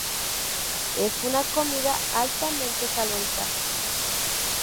Es una comida altamente calórica.